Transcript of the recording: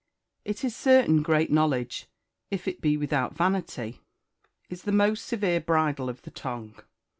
"It is certain great knowledge, if it be without vanity, is the most severe bridle of the tongue.